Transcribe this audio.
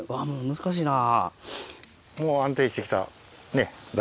難しいな。